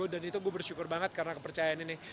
dan itu gue bersyukur banget karena kepercayaan ini